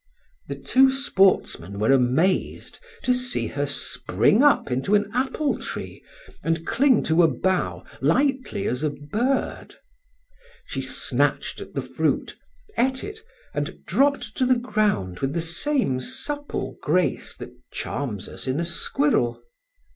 The two sportsmen were amazed to see her spring up into an apple tree and cling to a bough lightly as a bird. She snatched at the fruit, ate it, and dropped to the ground with the same supple grace that charms us in a squirrel.